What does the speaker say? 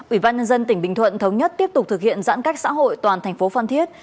ủy ban nhân dân tỉnh bình thuận thống nhất tiếp tục thực hiện giãn cách xã hội toàn thành phố phan thiết